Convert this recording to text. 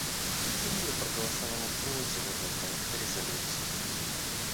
Индия проголосовала против этого проекта резолюции.